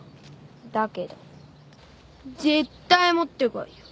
だけど絶対持って来いよ。